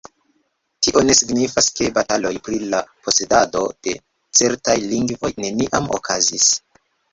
Tio ne signifas ke bataloj pri la posedado de certaj lingvoj neniam okazis